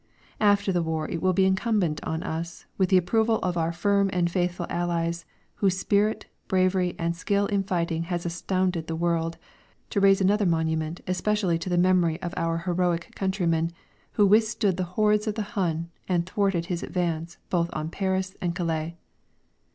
After the war it will be incumbent on us, with the approval of our firm and faithful Allies, whose spirit, bravery and skill in fighting has astounded the world, to raise another monument especially to the memory of our heroic countrymen who withstood the hordes of the Hun and thwarted his advance both on Paris and Calais.